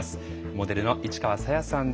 モデルの市川紗椰さんです。